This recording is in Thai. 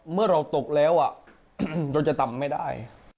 เมื่อเราตกแล้วเราจะต่ำไม่ได้